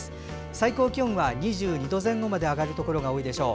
最高気温は２２度前後まで上がるところが多いでしょう。